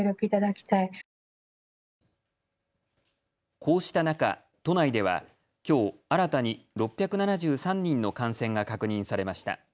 こうした中、都内ではきょう、新たに６７３人の感染が確認されました。